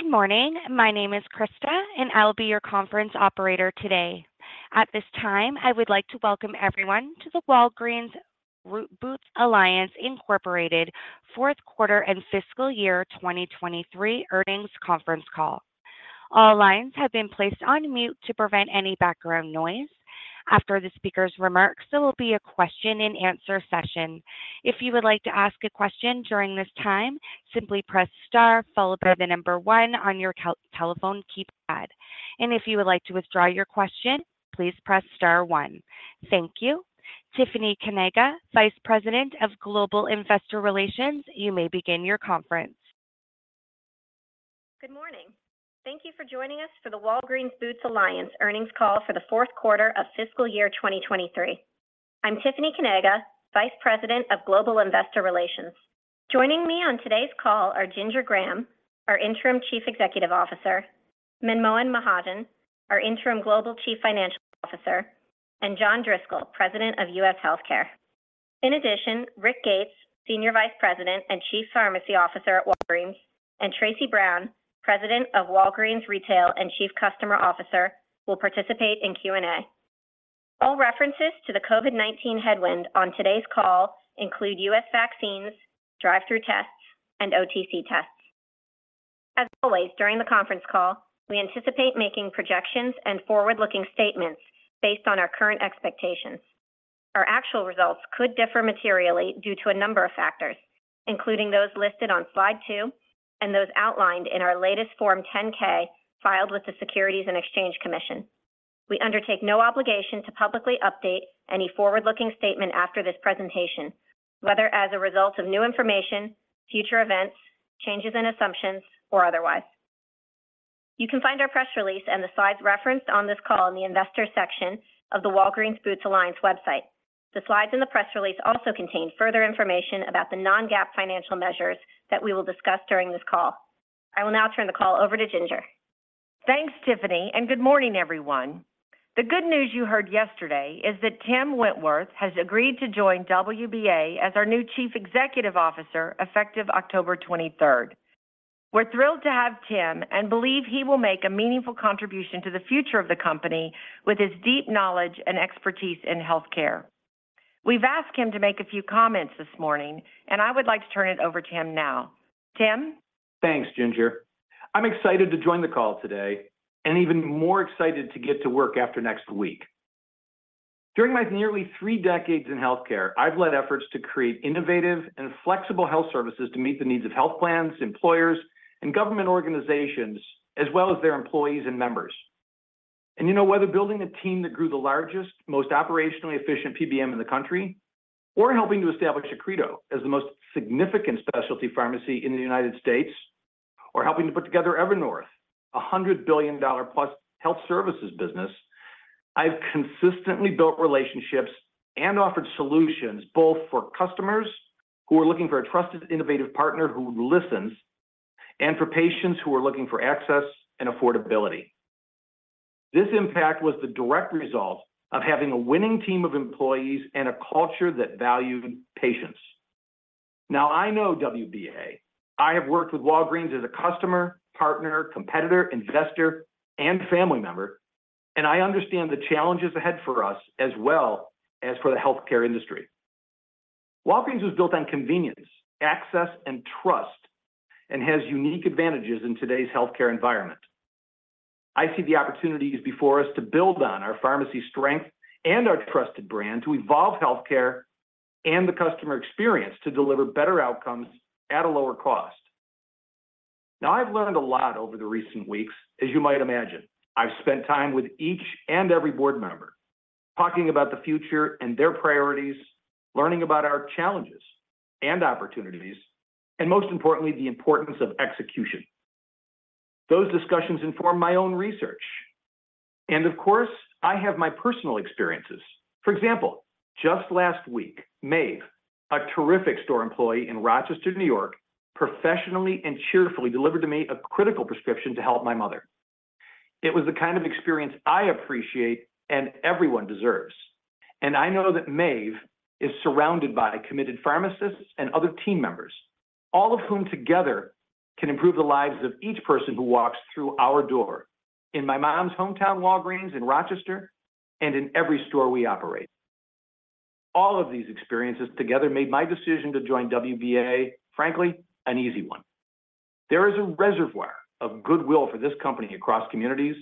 Good morning. My name is Krista, and I'll be your conference operator today. At this time, I would like to welcome everyone to the Walgreens Boots Alliance Incorporated fourth quarter and fiscal year 2023 earnings conference call. All lines have been placed on mute to prevent any background noise. After the speaker's remarks, there will be a question and answer session. If you would like to ask a question during this time, simply press star followed by the number one on your telephone keypad. If you would like to withdraw your question, please press star one. Thank you. Tiffany Kanaga, Vice President of Global Investor Relations, you may begin your conference. Good morning. Thank you for joining us for the Walgreens Boots Alliance earnings call for the fourth quarter of fiscal year 2023. I'm Tiffany Kanaga, Vice President of Global Investor Relations. Joining me on today's call are Ginger Graham, our Interim Chief Executive Officer, Manmohan Mahajan, our Interim Global Chief Financial Officer, and John Driscoll, U.S. Healthcare. in addition, Rick Gates, Senior Vice President and Chief Pharmacy Officer at Walgreens, and Tracey Brown, President of Walgreens Retail and Chief Customer Officer, will participate in Q&A. All references to the COVID-19 headwind on today's call include U.S. vaccines, drive-through tests, and OTC tests. As always, during the conference call, we anticipate making projections and forward-looking statements based on our current expectations. Our actual results could differ materially due to a number of factors, including those listed on slide 2 and those outlined in our latest Form 10-K filed with the Securities and Exchange Commission. We undertake no obligation to publicly update any forward-looking statement after this presentation, whether as a result of new information, future events, changes in assumptions, or otherwise. You can find our press release and the slides referenced on this call in the investor section of the Walgreens Boots Alliance website. The slides and the press release also contain further information about the non-GAAP financial measures that we will discuss during this call. I will now turn the call over to Ginger. Thanks, Tiffany, and good morning, everyone. The good news you heard yesterday is that Tim Wentworth has agreed to join WBA as our new Chief Executive Officer, effective October 23rd. We're thrilled to have Tim and believe he will make a meaningful contribution to the future of the company with his deep knowledge and expertise in healthcare. We've asked him to make a few comments this morning, and I would like to turn it over to him now. Tim? Thanks, Ginger. I'm excited to join the call today and even more excited to get to work after next week. During my nearly three decades in healthcare, I've led efforts to create innovative and flexible health services to meet the needs of health plans, employers, and government organizations, as well as their employees and members. And you know, whether building a team that grew the largest, most operationally efficient PBM in the country, or helping to establish Accredo as the most significant specialty pharmacy in the United States, or helping to put together Evernorth, a $100 billion+ health services business, I've consistently built relationships and offered solutions both for customers who are looking for a trusted, innovative partner who listens, and for patients who are looking for access and affordability. This impact was the direct result of having a winning team of employees and a culture that valued patients. Now, I know WBA. I have worked with Walgreens as a customer, partner, competitor, investor, and family member, and I understand the challenges ahead for us, as well as for the healthcare industry. Walgreens was built on convenience, access, and trust, and has unique advantages in today's healthcare environment. I see the opportunities before us to build on our pharmacy strength and our trusted brand to evolve healthcare and the customer experience to deliver better outcomes at a lower cost. Now, I've learned a lot over the recent weeks, as you might imagine. I've spent time with each and every board member, talking about the future and their priorities, learning about our challenges and opportunities, and most importantly, the importance of execution. Those discussions inform my own research, and of course, I have my personal experiences. For example, just last week, Maeve, a terrific store employee in Rochester, New York, professionally and cheerfully delivered to me a critical prescription to help my mother. It was the kind of experience I appreciate and everyone deserves. I know that Maeve is surrounded by committed pharmacists and other team members, all of whom together can improve the lives of each person who walks through our door, in my mom's hometown Walgreens in Rochester and in every store we operate. All of these experiences together made my decision to join WBA, frankly, an easy one. There is a reservoir of goodwill for this company across communities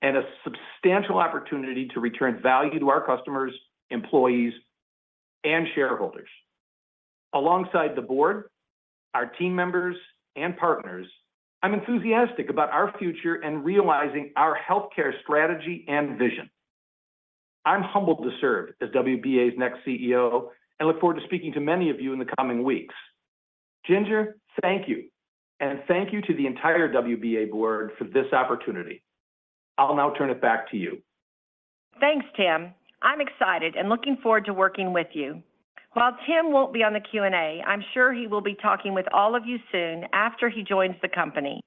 and a substantial opportunity to return value to our customers, employees, and shareholders. Alongside the board, our team members and partners, I'm enthusiastic about our future and realizing our healthcare strategy and vision. I'm humbled to serve as WBA's next CEO and look forward to speaking to many of you in the coming weeks. Ginger, thank you, and thank you to the entire WBA board for this opportunity. I'll now turn it back to you. Thanks, Tim. I'm excited and looking forward to working with you. While Tim won't be on the Q&A, I'm sure he will be talking with all of you soon after he joins the company.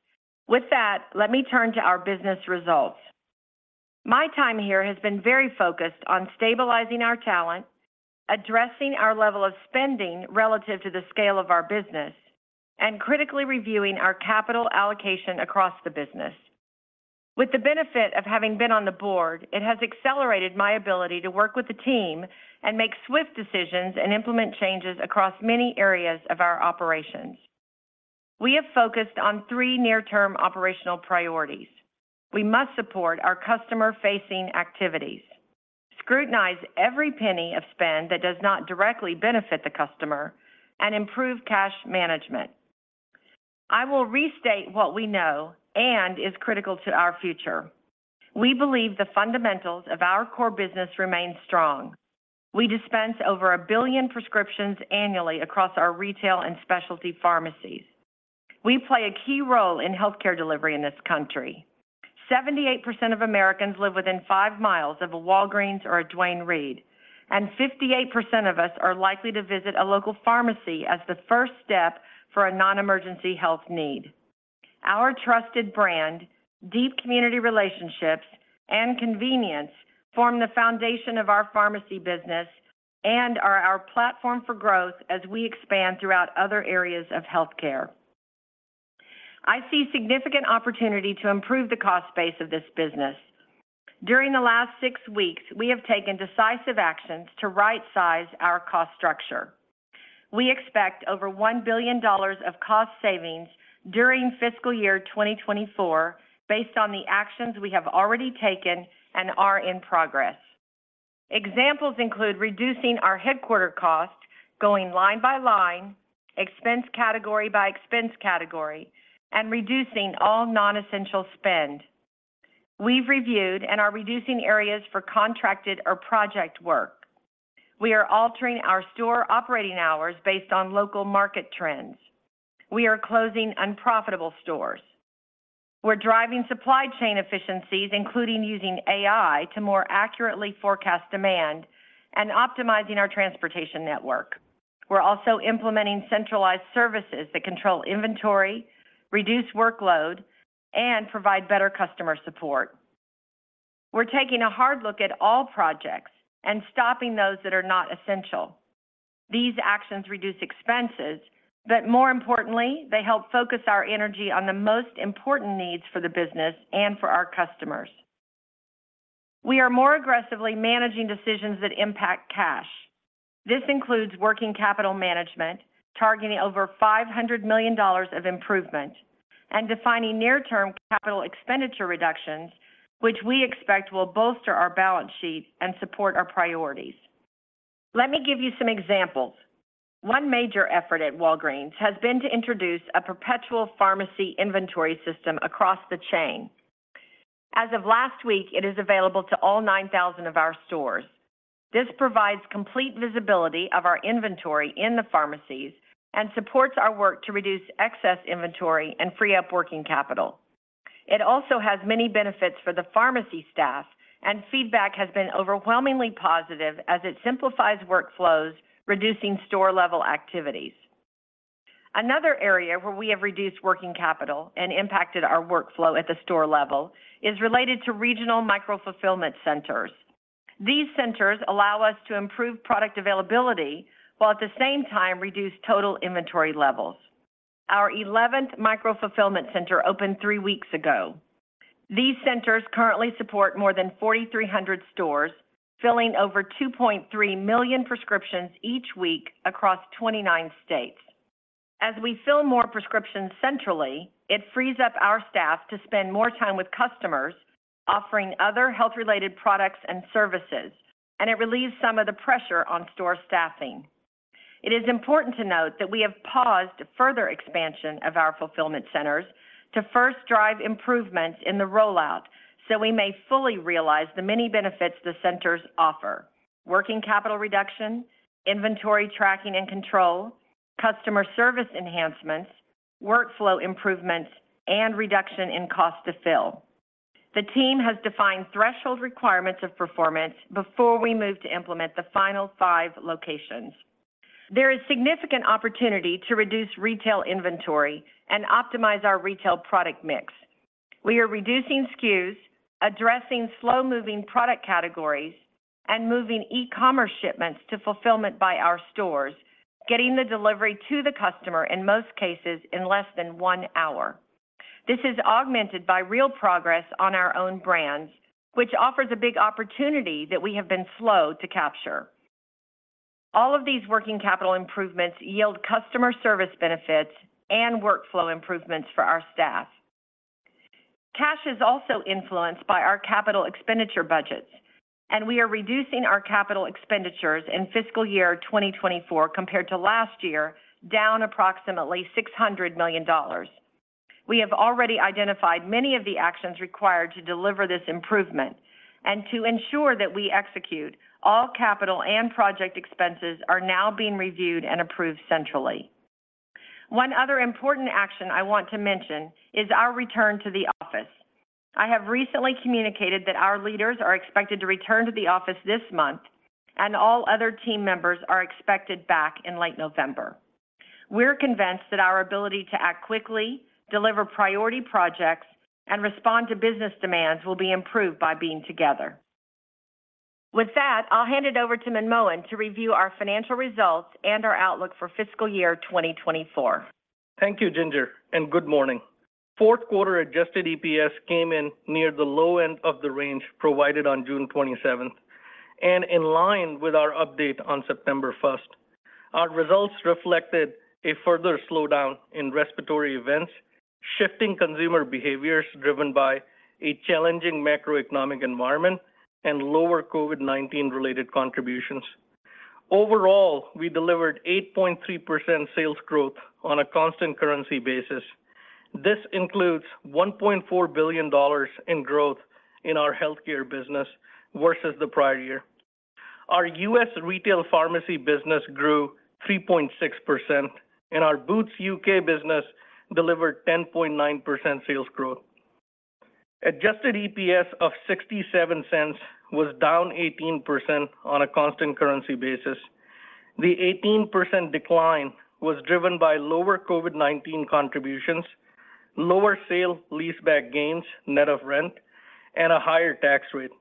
With that, let me turn to our business results. My time here has been very focused on stabilizing our talent, addressing our level of spending relative to the scale of our business, and critically reviewing our capital allocation across the business. With the benefit of having been on the board, it has accelerated my ability to work with the team and make swift decisions and implement changes across many areas of our operations. We have focused on three near-term operational priorities. We must support our customer-facing activities, scrutinize every penny of spend that does not directly benefit the customer, and improve cash management. I will restate what we know and is critical to our future. We believe the fundamentals of our core business remain strong. We dispense over a billion prescriptions annually across our Retail and specialty pharmacies. We play a key role in healthcare delivery in this country. 78% of Americans live within 5 mi of a Walgreens or a Duane Reade, and 58% of us are likely to visit a local pharmacy as the first step for a non-emergency health need. Our trusted brand, deep community relationships, and convenience form the foundation of our pharmacy business and are our platform for growth as we expand throughout other areas of healthcare. I see significant opportunity to improve the cost base of this business. During the last six weeks, we have taken decisive actions to right-size our cost structure. We expect over $1 billion of cost savings during fiscal year 2024, based on the actions we have already taken and are in progress. Examples include reducing our headquarters costs, going line by line, expense category by expense category, and reducing all non-essential spend. We've reviewed and are reducing areas for contracted or project work. We are altering our store operating hours based on local market trends. We are closing unprofitable stores. We're driving supply chain efficiencies, including using AI to more accurately forecast demand and optimizing our transportation network. We're also implementing centralized services that control inventory, reduce workload, and provide better customer support. We're taking a hard look at all projects and stopping those that are not essential. These actions reduce expenses, but more importantly, they help focus our energy on the most important needs for the business and for our customers. We are more aggressively managing decisions that impact cash. This includes working capital management, targeting over $500 million of improvement, and defining near-term capital expenditure reductions, which we expect will bolster our balance sheet and support our priorities. Let me give you some examples. One major effort at Walgreens has been to introduce a Perpetual Pharmacy Inventory System across the chain. As of last week, it is available to all 9,000 of our stores. This provides complete visibility of our inventory in the pharmacies and supports our work to reduce excess inventory and free up working capital. It also has many benefits for the pharmacy staff, and feedback has been overwhelmingly positive as it simplifies workflows, reducing store-level activities. Another area where we have reduced working capital and impacted our workflow at the store level is related to regional micro-fulfillment centers. These centers allow us to improve product availability while at the same time reduce total inventory levels. Our eleventh micro-fulfillment center opened three weeks ago. These centers currently support more than 4,300 stores, filling over 2.3 million prescriptions each week across 29 states. As we fill more prescriptions centrally, it frees up our staff to spend more time with customers, offering other health-related products and services, and it relieves some of the pressure on store staffing. It is important to note that we have paused further expansion of our fulfillment centers to first drive improvements in the rollout, so we may fully realize the many benefits the centers offer: working capital reduction, inventory tracking and control, customer service enhancements, workflow improvements, and reduction in cost to fill. The team has defined threshold requirements of performance before we move to implement the final five locations. There is significant opportunity to reduce retail inventory and optimize our retail product mix. We are reducing SKUs, addressing slow-moving product categories, and moving e-commerce shipments to fulfillment by our stores, getting the delivery to the customer, in most cases, in less than one hour. This is augmented by real progress on our own brands, which offers a big opportunity that we have been slow to capture. All of these working capital improvements yield customer service benefits and workflow improvements for our staff. Cash is also influenced by our capital expenditure budgets, and we are reducing our capital expenditures in fiscal year 2024 compared to last year, down approximately $600 million. We have already identified many of the actions required to deliver this improvement. To ensure that we execute, all capital and project expenses are now being reviewed and approved centrally. One other important action I want to mention is our return to the office. I have recently communicated that our leaders are expected to return to the office this month, and all other team members are expected back in late November. We're convinced that our ability to act quickly, deliver priority projects, and respond to business demands will be improved by being together. With that, I'll hand it over to Manmohan to review our financial results and our outlook for fiscal year 2024. Thank you, Ginger, and good morning. Fourth quarter adjusted EPS came in near the low end of the range provided on June 27th, and in line with our update on September 1st. Our results reflected a further slowdown in respiratory events, shifting consumer behaviors driven by a challenging macroeconomic environment and lower COVID-19 related contributions. Overall, we delivered 8.3% sales growth on a constant currency basis. This includes $1.4 billion in growth in our healthcare business versus the prior U.S. Retail Pharmacy business grew 3.6%, and our Boots UK business delivered 10.9% sales growth. Adjusted EPS of $0.67 was down 18% on a constant currency basis. The 18% decline was driven by lower COVID-19 contributions, lower sale-leaseback gains, net of rent, and a higher tax rate.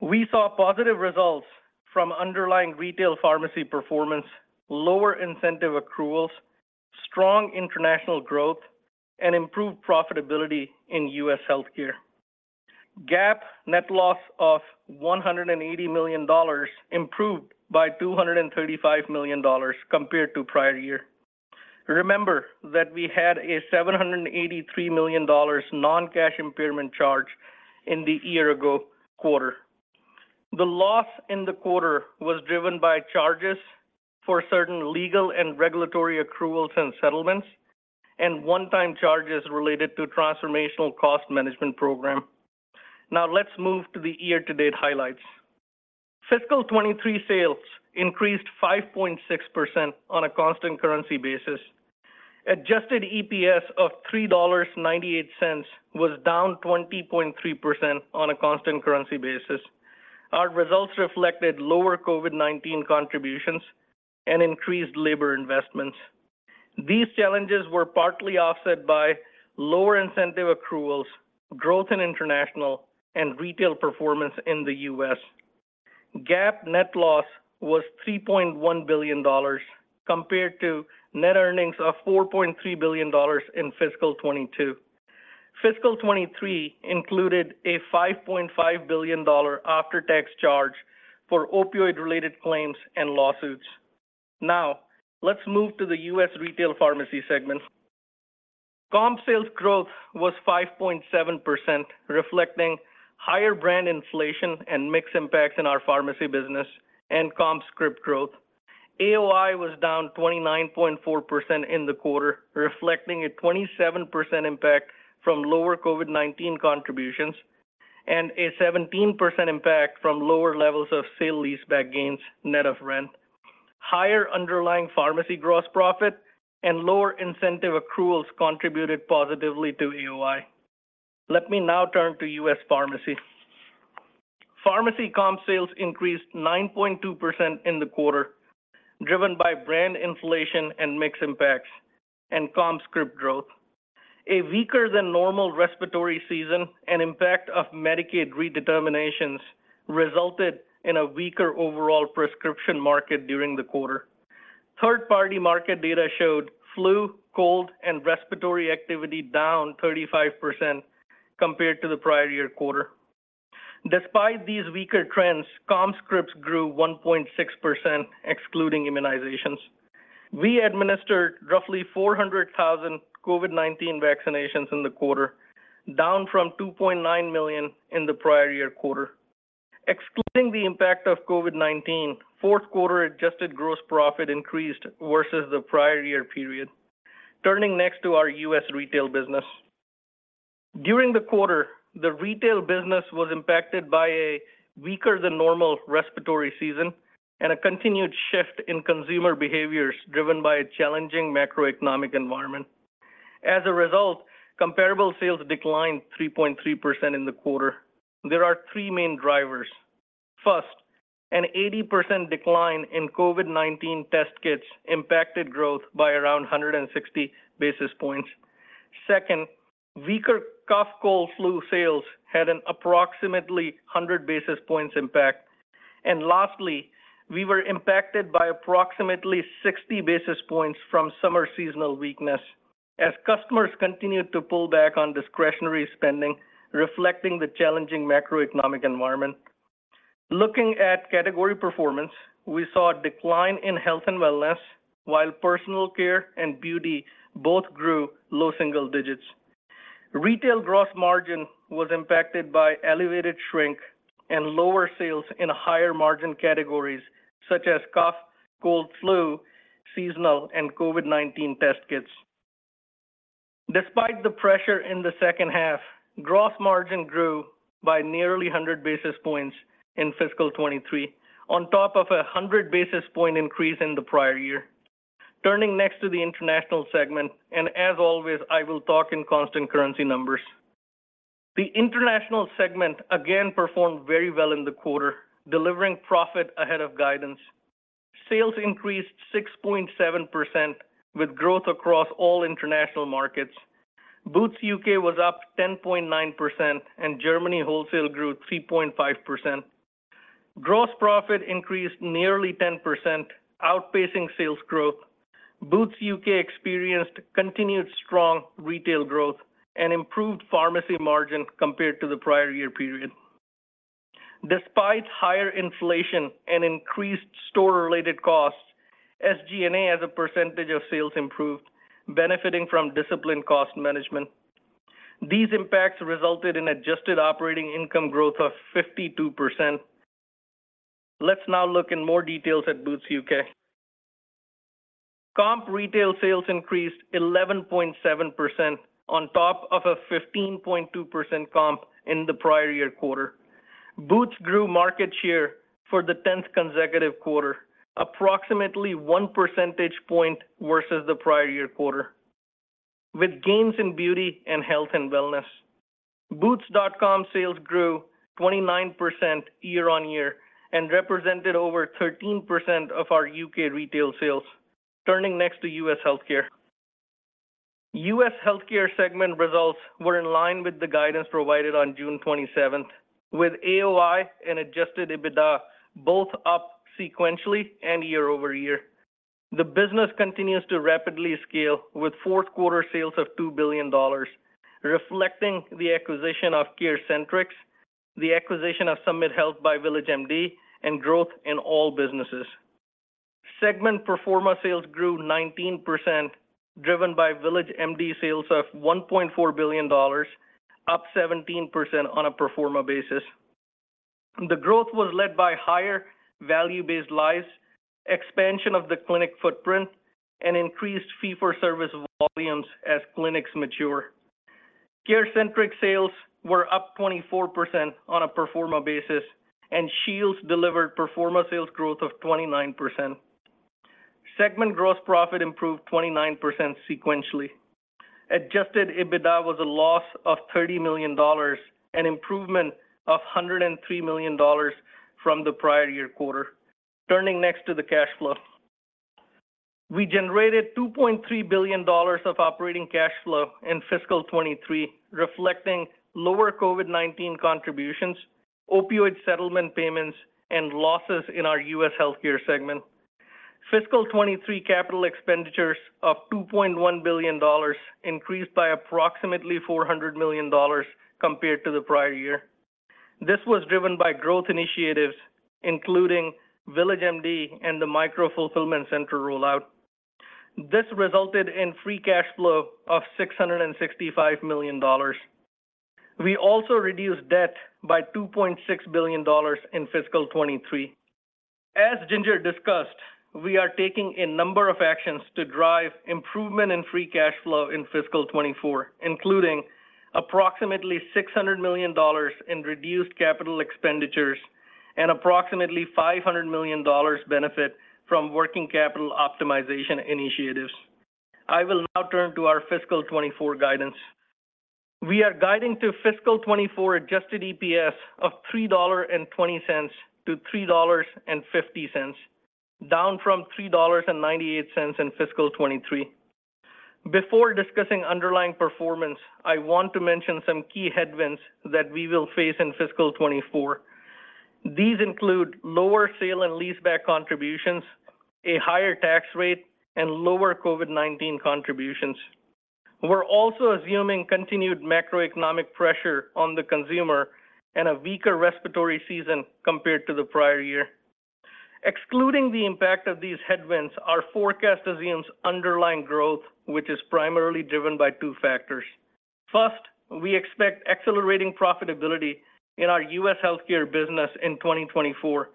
We saw positive results from underlying retail pharmacy performance, lower incentive accruals, strong international growth, and improved U.S. Healthcare. gaap net loss of $180 million improved by $235 million compared to prior year. Remember that we had a $783 million non-cash impairment charge in the year ago quarter. The loss in the quarter was driven by charges for certain legal and regulatory accruals and settlements, and one-time charges related to transformational cost management program. Now, let's move to the year-to-date highlights. Fiscal 2023 sales increased 5.6% on a constant currency basis. Adjusted EPS of $3.98 was down 20.3% on a constant currency basis. Our results reflected lower COVID-19 contributions and increased labor investments. These challenges were partly offset by lower incentive accruals, growth in International, and Retail performance in the U.S. GAAP net loss was $3.1 billion, compared to net earnings of $4.3 billion in fiscal 2022. Fiscal 2023 included a $5.5 billion after-tax charge for opioid-related claims and lawsuits. Now, let's move U.S. Retail Pharmacy segment. comp sales growth was 5.7%, reflecting higher brand inflation and mix impacts in our pharmacy business and comp script growth. AOI was down 29.4% in the quarter, reflecting a 27% impact from lower COVID-19 contributions and a 17% impact from lower levels of sale leaseback gains, net of rent. Higher underlying pharmacy gross profit and lower incentive accruals contributed positively to AOI. Let me now turn to U.S. Pharmacy. Pharmacy comp sales increased 9.2% in the quarter, driven by brand inflation and mix impacts and comp script growth. A weaker than normal respiratory season and impact of Medicaid redeterminations resulted in a weaker overall prescription market during the quarter. Third-party market data showed flu, cold, and respiratory activity down 35% compared to the prior year quarter. Despite these weaker trends, comp scripts grew 1.6%, excluding immunizations. We administered roughly 400,000 COVID-19 vaccinations in the quarter, down from 2.9 million in the prior year quarter. Excluding the impact of COVID-19, fourth quarter adjusted gross profit increased versus the prior year period. Turning next to our U.S. Retail business. During the quarter, the retail business was impacted by a weaker than normal respiratory season and a continued shift in consumer behaviors driven by a challenging macroeconomic environment. As a result, comparable sales declined 3.3% in the quarter. There are three main drivers. First, an 80% decline in COVID-19 test kits impacted growth by around 160 basis points. Second, weaker cough, cold flu sales had an approximately 100 basis points impact. And lastly, we were impacted by approximately 60 basis points from summer seasonal weakness as customers continued to pull back on discretionary spending, reflecting the challenging macroeconomic environment. Looking at category performance, we saw a decline in Health & Wellness, while Personal Care and Beauty both grew low single digits. Retail gross margin was impacted by elevated shrink and lower sales in higher-margin categories such as cough, cold, flu, seasonal, and COVID-19 test kits. Despite the pressure in the second half, gross margin grew by nearly 100 basis points in fiscal 2023, on top of 100 basis point increase in the prior year. Turning next to the International segment, and as always, I will talk in constant currency numbers. The International segment again performed very well in the quarter, delivering profit ahead of guidance. Sales increased 6.7%, with growth across all international markets. Boots UK was up 10.9%, and Germany wholesale grew 3.5%. Gross profit increased nearly 10%, outpacing sales growth. Boots UK experienced continued strong Retail growth and improved pharmacy margin compared to the prior year period. Despite higher inflation and increased store-related costs, SG&A, as a percentage of sales, improved, benefiting from disciplined cost management. These impacts resulted in adjusted operating income growth of 52%. Let's now look in more detail at Boots UK. Comp retail sales increased 11.7% on top of a 15.2% comp in the prior year quarter. Boots grew market share for the 10th consecutive quarter, approximately 1 percentage point versus the prior year quarter, with gains in Beauty and Health & Wellness. Boots.com sales grew 29% year-on-year and represented over 13% of our UK Retail sales. U.S. Healthcare segment results were in line with the guidance provided on June 27, with AOI and adjusted EBITDA both up sequentially and year-over-year. The business continues to rapidly scale, with fourth quarter sales of $2 billion, reflecting the acquisition of CareCentrix, the acquisition of Summit Health by VillageMD, and growth in all businesses. Segment pro forma sales grew 19%, driven by VillageMD sales of $1.4 billion, up 17% on a pro forma basis. The growth was led by higher value-based lives, expansion of the clinic footprint, and increased fee-for-service volumes as clinics mature. CareCentrix sales were up 24% on a pro forma basis, and Shields delivered pro forma sales growth of 29%. Segment gross profit improved 29% sequentially. Adjusted EBITDA was a loss of $30 million, an improvement of $103 million from the prior year quarter. Turning next to the cash flow. We generated $2.3 billion of operating cash flow in fiscal 2023, reflecting lower COVID-19 contributions, opioid settlement payments, and losses in U.S. Healthcare segment. Fiscal 2023 capital expenditures of $2.1 billion increased by approximately $400 million compared to the prior year. This was driven by growth initiatives, including VillageMD and the micro-fulfillment center rollout. This resulted in free cash flow of $665 million. We also reduced debt by $2.6 billion in fiscal 2023. As Ginger discussed, we are taking a number of actions to drive improvement in free cash flow in fiscal 2024, including approximately $600 million in reduced capital expenditures and approximately $500 million benefit from working capital optimization initiatives. I will now turn to our fiscal 2024 guidance. We are guiding to fiscal 2024 adjusted EPS of $3.20-$3.50, down from $3.98 in fiscal 2023. Before discussing underlying performance, I want to mention some key headwinds that we will face in fiscal 2024. These include lower sale and leaseback contributions, a higher tax rate, and lower COVID-19 contributions. We're also assuming continued macroeconomic pressure on the consumer and a weaker respiratory season compared to the prior year. Excluding the impact of these headwinds, our forecast assumes underlying growth, which is primarily driven by two factors. First, we expect accelerating profitability U.S. Healthcare business in 2024,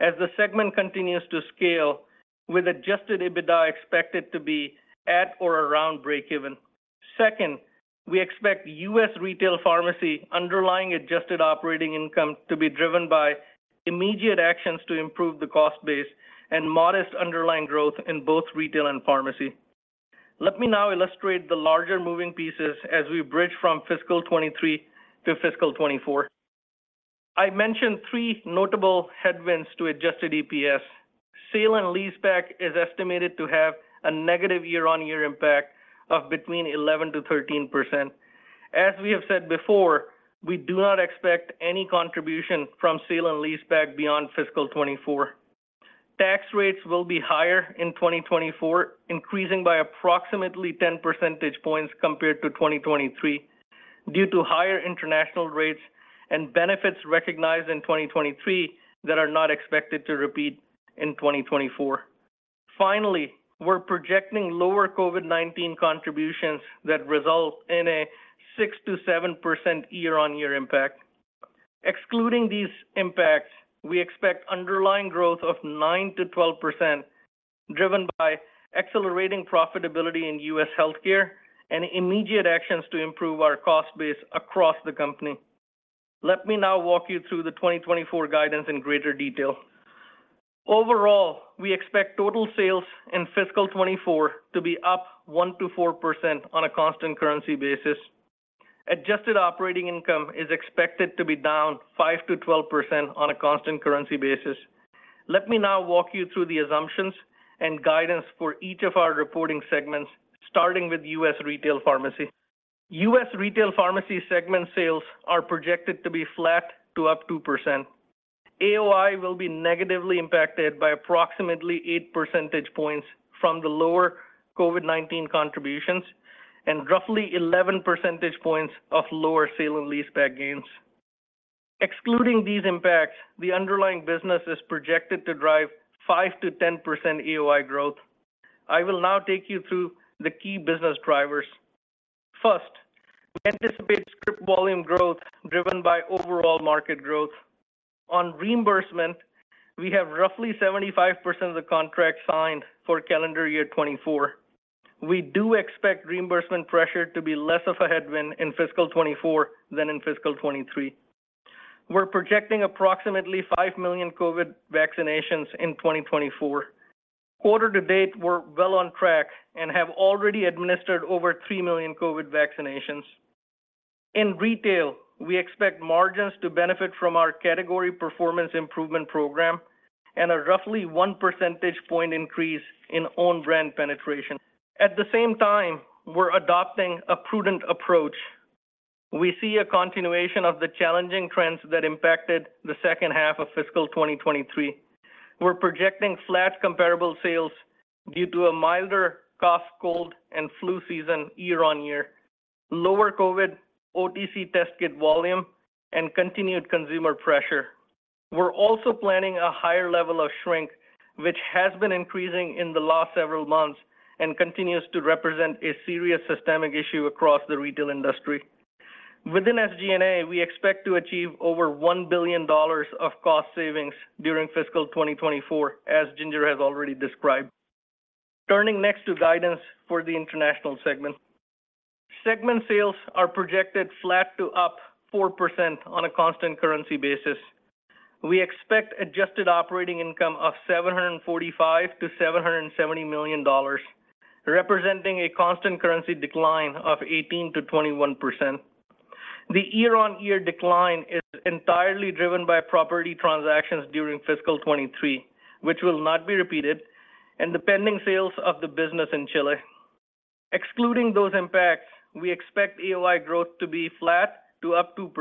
as the segment continues to scale, with adjusted EBITDA expected to be at or around breakeven. Second, U.S. Retail Pharmacy underlying adjusted operating income to be driven by immediate actions to improve the cost base and modest underlying growth in both retail and pharmacy. Let me now illustrate the larger moving pieces as we bridge from fiscal 2023 to fiscal 2024. I mentioned three notable headwinds to adjusted EPS. Sale and leaseback is estimated to have a negative year-on-year impact of between 11%-13%. As we have said before, we do not expect any contribution from sale and leaseback beyond fiscal 2024. Tax rates will be higher in 2024, increasing by approximately 10 percentage points compared to 2023 due to higher international rates and benefits recognized in 2023 that are not expected to repeat in 2024. Finally, we're projecting lower COVID-19 contributions that result in a 6%-7% year-on-year impact. Excluding these impacts, we expect underlying growth of 9%-12%, driven by accelerating U.S. Healthcare and immediate actions to improve our cost base across the company. Let me now walk you through the 2024 guidance in greater detail. Overall, we expect total sales in fiscal 2024 to be up 1%-4% on a constant currency basis. Adjusted operating income is expected to be down 5%-12% on a constant currency basis. Let me now walk you through the assumptions and guidance for each of our reporting segments, U.S. Retail Pharmacy segment sales are projected to be flat to up 2%. AOI will be negatively impacted by approximately 8 percentage points from the lower COVID-19 contributions and roughly 11 percentage points of lower sale-leaseback gains. Excluding these impacts, the underlying business is projected to drive 5%-10% AOI growth. I will now take you through the key business drivers. First, we anticipate script volume growth driven by overall market growth. On reimbursement, we have roughly 75% of the contract signed for calendar year 2024. We do expect reimbursement pressure to be less of a headwind in fiscal 2024 than in fiscal 2023. We're projecting approximately 5 million COVID vaccinations in 2024. Quarter to date, we're well on track and have already administered over 3 million COVID vaccinations. In Retail, we expect margins to benefit from our category performance improvement program and a roughly 1 percentage point increase in own brand penetration. At the same time, we're adopting a prudent approach. We see a continuation of the challenging trends that impacted the second half of fiscal 2023. We're projecting flat comparable sales due to a milder cough, cold, and flu season year-on-year, lower COVID OTC test kit volume, and continued consumer pressure. We're also planning a higher level of shrink, which has been increasing in the last several months and continues to represent a serious systemic issue across the retail industry. Within SG&A, we expect to achieve over $1 billion of cost savings during fiscal 2024, as Ginger has already described. Turning next to guidance for the International segment. Segment sales are projected flat to up 4% on a constant currency basis. We expect adjusted operating income of $745 million-$770 million, representing a constant currency decline of 18%-21%. The year-on-year decline is entirely driven by property transactions during fiscal 2023, which will not be repeated, and the pending sales of the business in Chile. Excluding those impacts, we expect AOI growth to be flat to up 2%,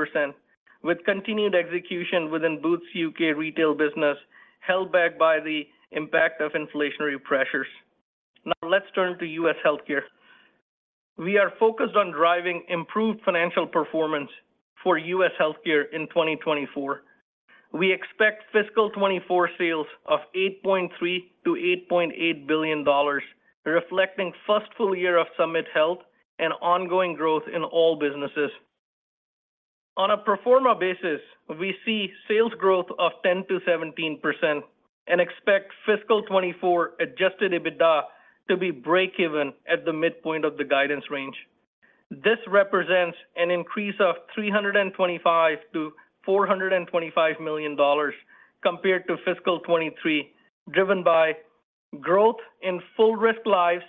with continued execution within Boots UK Retail business held back by the impact of inflationary pressures. Now U.S. Healthcare. we are focused on driving improved U.S. Healthcare in 2024. we expect fiscal 2024 sales of $8.3 billion-$8.8 billion, reflecting first full year of Summit Health and ongoing growth in all businesses. On a pro forma basis, we see sales growth of 10%-17% and expect fiscal 2024 adjusted EBITDA to be breakeven at the midpoint of the guidance range. This represents an increase of $325 million-$425 million compared to fiscal 2023, driven by growth in full risk lives,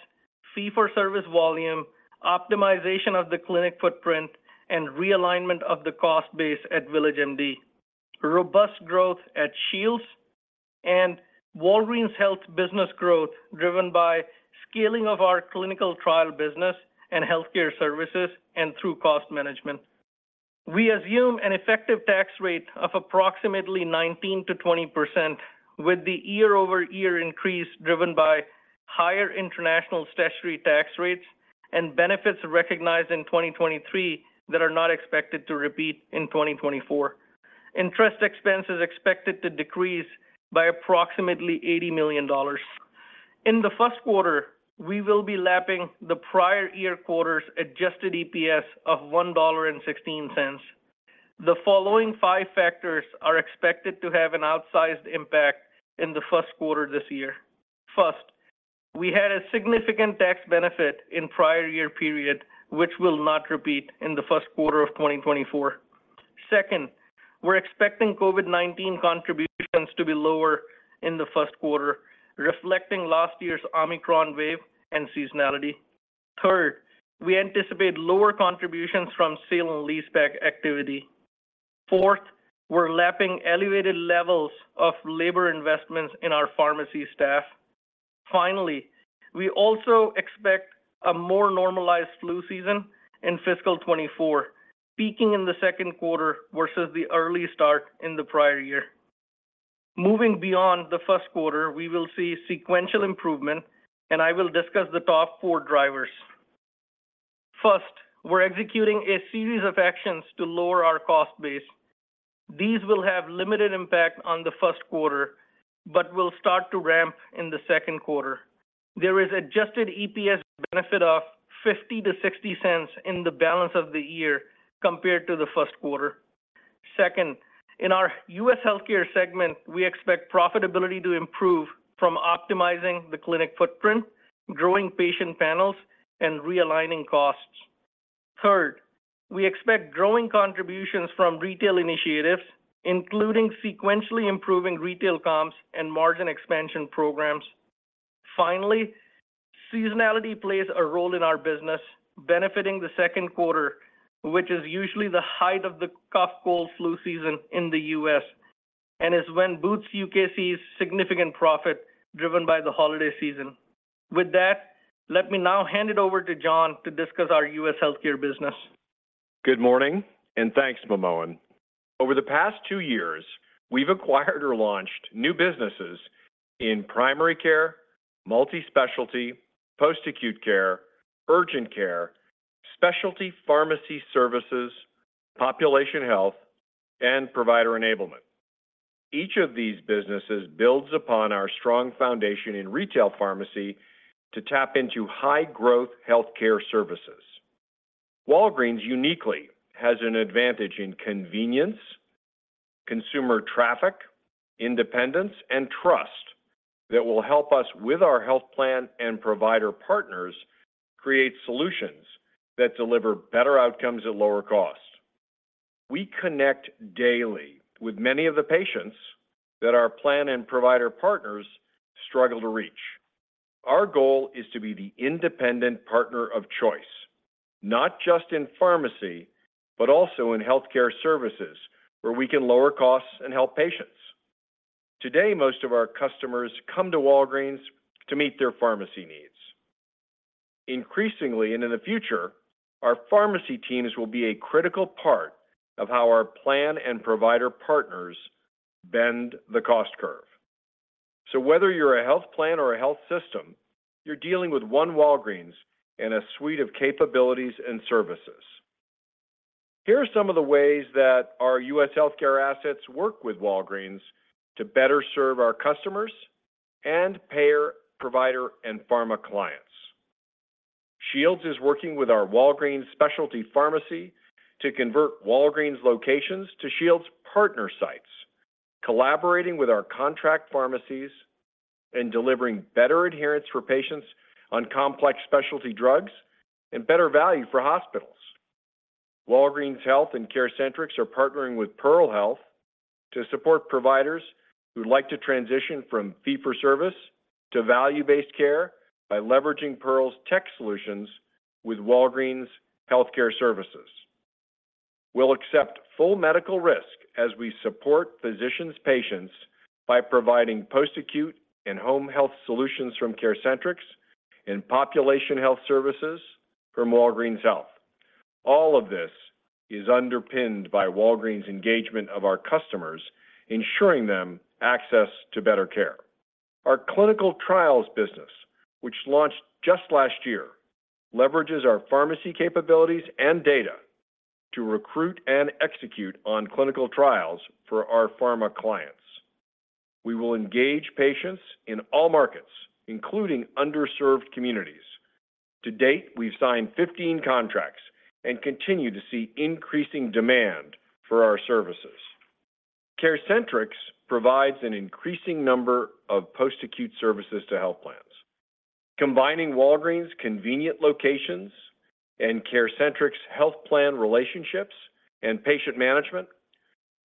fee-for-service volume, optimization of the clinic footprint, and realignment of the cost base at VillageMD, robust growth at Shields, and Walgreens Health business growth, driven by scaling of our clinical trial business and healthcare services and through cost management. We assume an effective tax rate of approximately 19%-20%, with the year-over-year increase driven by higher international statutory tax rates and benefits recognized in 2023 that are not expected to repeat in 2024. Interest expense is expected to decrease by approximately $80 million. In the first quarter, we will be lapping the prior year quarter's adjusted EPS of $1.16. The following five factors are expected to have an outsized impact in the first quarter this year. First, we had a significant tax benefit in prior year period, which will not repeat in the first quarter of 2024. Second, we're expecting COVID-19 contributions to be lower in the first quarter, reflecting last year's Omicron wave and seasonality. Third, we anticipate lower contributions from sale and leaseback activity. Fourth, we're lapping elevated levels of labor investments in our pharmacy staff. Finally, we also expect a more normalized flu season in fiscal 2024, peaking in the second quarter versus the early start in the prior year. Moving beyond the first quarter, we will see sequential improvement, and I will discuss the top four drivers. First, we're executing a series of actions to lower our cost base. These will have limited impact on the first quarter but will start to ramp in the second quarter. There is adjusted EPS benefit of $0.50-$0.60 in the balance of the year compared to the first quarter. Second, U.S. Healthcare segment, we expect profitability to improve from optimizing the clinic footprint, growing patient panels, and realigning costs. Third, we expect growing contributions from retail initiatives, including sequentially improving retail comps and margin expansion programs. Finally, seasonality plays a role in our business, benefiting the second quarter, which is usually the height of the cough, cold, flu season in the U.S., and is when Boots UK sees significant profit driven by the holiday season. With that, let me now hand it over to John to discuss U.S. Healthcare business. Good morning, and thanks, Manmohan. Over the past two years, we've acquired or launched new businesses in primary care, multi-specialty, post-acute care, urgent care, specialty pharmacy services, population health, and provider enablement. Each of these businesses builds upon our strong foundation in retail pharmacy to tap into high-growth healthcare services. Walgreens uniquely has an advantage in convenience, consumer traffic, independence, and trust that will help us with our health plan and provider partners create solutions that deliver better outcomes at lower costs. We connect daily with many of the patients that our plan and provider partners struggle to reach. Our goal is to be the independent partner of choice, not just in pharmacy, but also in healthcare services, where we can lower costs and help patients. Today, most of our customers come to Walgreens to meet their pharmacy needs. Increasingly, and in the future, our pharmacy teams will be a critical part of how our plan and provider partners bend the cost curve. So whether you're a health plan or a health system, you're dealing with one Walgreens and a suite of capabilities and services. Here are some of the ways U.S. Healthcare assets work with Walgreens to better serve our customers and payer, provider, and pharma clients. Shields is working with our Walgreens Specialty Pharmacy to convert Walgreens locations to Shields partner sites, collaborating with our contract pharmacies and delivering better adherence for patients on complex specialty drugs and better value for hospitals. Walgreens Health and CareCentrix are partnering with Pearl Health to support providers who'd like to transition from fee-for-service to value-based care by leveraging Pearl's tech solutions with Walgreens healthcare Services. We'll accept full medical risk as we support physicians' patients by providing post-acute and home health solutions from CareCentrix and population health services from Walgreens Health. All of this is underpinned by Walgreens' engagement of our customers, ensuring them access to better care. Our clinical trials business, which launched just last year, leverages our pharmacy capabilities and data to recruit and execute on clinical trials for our pharma clients. We will engage patients in all markets, including underserved communities. To date, we've signed 15 contracts and continue to see increasing demand for our services. CareCentrix provides an increasing number of post-acute services to health plans. Combining Walgreens' convenient locations and CareCentrix health plan relationships and patient management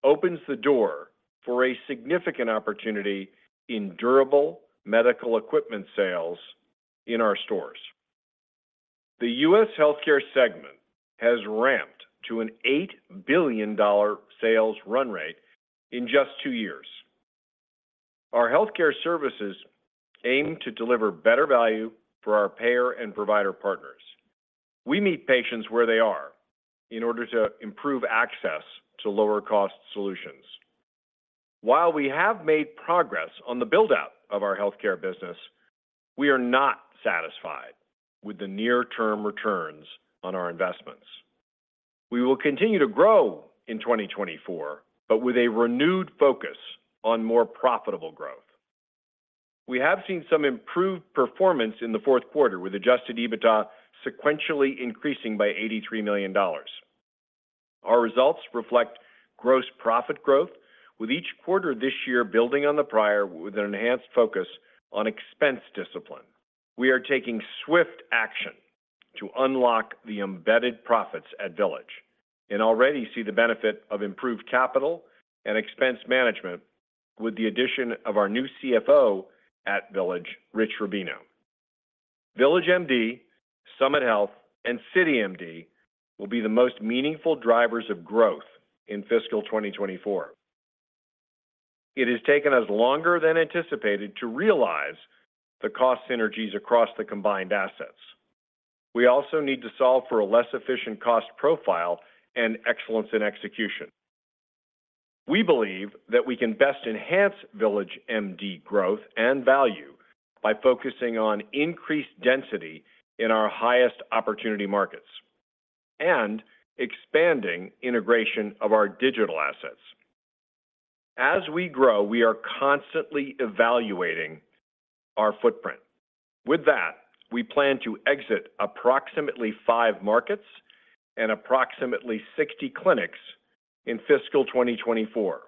opens the door for a significant opportunity in durable medical equipment sales in our U.S. Healthcare segment has ramped to a $8 billion sales run rate in just two years. Our healthcare services aim to deliver better value for our payer and provider partners. We meet patients where they are in order to improve access to lower-cost solutions. While we have made progress on the build-out of our healthcare business, we are not satisfied with the near-term returns on our investments. We will continue to grow in 2024, but with a renewed focus on more profitable growth. We have seen some improved performance in the fourth quarter, with adjusted EBITDA sequentially increasing by $83 million. Our results reflect gross profit growth, with each quarter this year building on the prior, with an enhanced focus on expense discipline. We are taking swift action to unlock the embedded profits at Village and already see the benefit of improved capital and expense management with the addition of our new CFO at Village, Rich Rubino. VillageMD, Summit Health, and CityMD will be the most meaningful drivers of growth in fiscal 2024. It has taken us longer than anticipated to realize the cost synergies across the combined assets. We also need to solve for a less efficient cost profile and excellence in execution. We believe that we can best enhance VillageMD growth and value by focusing on increased density in our highest opportunity markets and expanding integration of our digital assets. As we grow, we are constantly evaluating our footprint. With that, we plan to exit approximately five markets and approximately 60 clinics in fiscal 2024.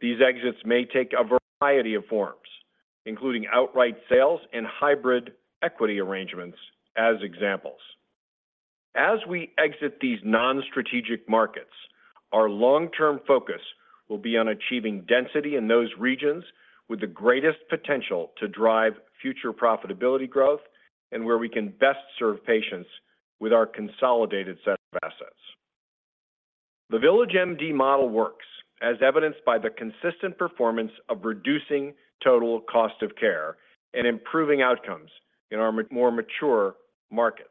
These exits may take a variety of forms, including outright sales and hybrid equity arrangements, as examples. As we exit these non-strategic markets, our long-term focus will be on achieving density in those regions with the greatest potential to drive future profitability growth and where we can best serve patients with our consolidated set of assets. The VillageMD model works, as evidenced by the consistent performance of reducing total cost of care and improving outcomes in our more mature markets.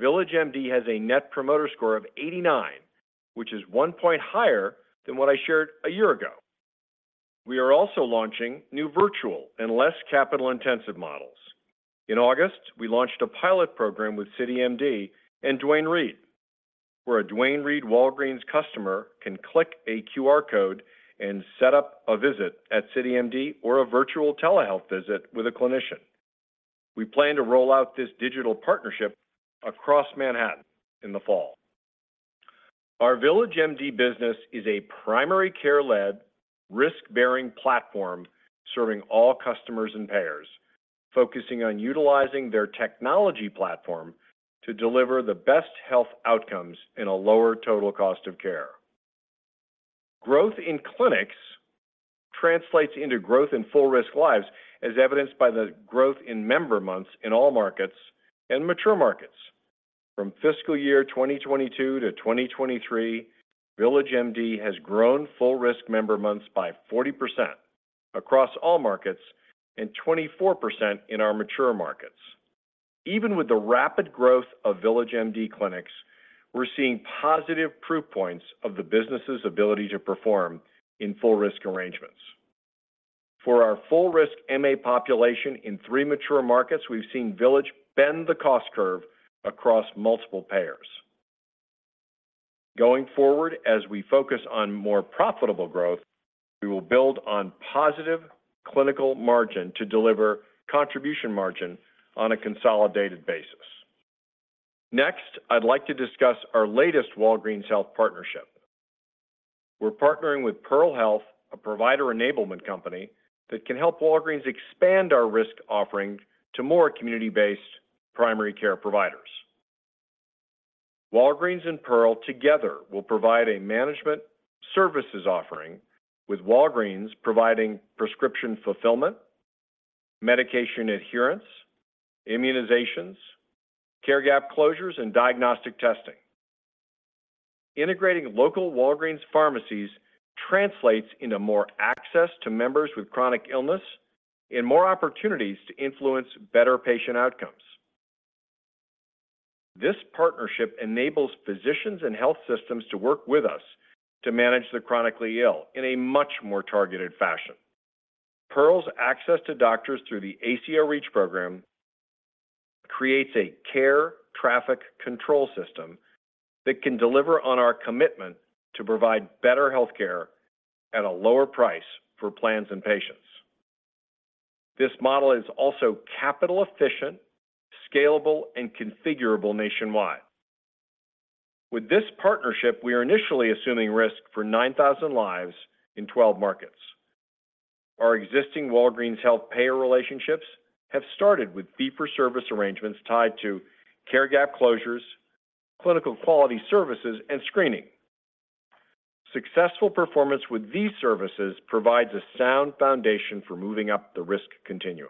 VillageMD has a Net Promoter Score of 89, which is one point higher than what I shared a year ago. We are also launching new virtual and less capital-intensive models. In August, we launched a pilot program with CityMD and Duane Reade, where a Duane Reade Walgreens customer can click a QR code and set up a visit at CityMD or a virtual telehealth visit with a clinician. We plan to roll out this digital partnership across Manhattan in the fall. Our VillageMD business is a primary care-led, risk-bearing platform serving all customers and payers, focusing on utilizing their technology platform to deliver the best health outcomes in a lower total cost of care. Growth in clinics translates into growth in full risk lives, as evidenced by the growth in member months in all markets and mature markets. From fiscal year 2022 to 2023, VillageMD has grown full risk member months by 40% across all markets and 24% in our mature markets. Even with the rapid growth of VillageMD clinics, we're seeing positive proof points of the business's ability to perform in full risk arrangements. For our full risk MA population in three mature markets, we've seen Village bend the cost curve across multiple payers. Going forward, as we focus on more profitable growth, we will build on positive clinical margin to deliver contribution margin on a consolidated basis. Next, I'd like to discuss our latest Walgreens Health partnership. We're partnering with Pearl Health, a provider enablement company, that can help Walgreens expand our risk offering to more community-based primary care providers. Walgreens and Pearl together will provide a management services offering, with Walgreens providing prescription fulfillment, medication adherence, immunizations, care gap closures, and diagnostic testing. Integrating local Walgreens pharmacies translates into more access to members with chronic illness and more opportunities to influence better patient outcomes. This partnership enables physicians and health systems to work with us to manage the chronically ill in a much more targeted fashion. Pearl's access to doctors through the ACO REACH program creates a care traffic control system that can deliver on our commitment to provide better healthcare at a lower price for plans and patients. This model is also capital efficient, scalable, and configurable nationwide. With this partnership, we are initially assuming risk for 9,000 lives in 12 markets. Our existing Walgreens Health payer relationships have started with fee-for-service arrangements tied to care gap closures, clinical quality services, and screening. Successful performance with these services provides a sound foundation for moving up the risk continuum.